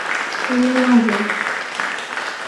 Tu dê neajoyî.